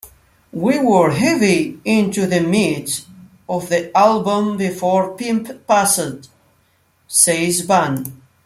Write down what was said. "We were heavy into the meat of the album before Pimp passed," says Bun.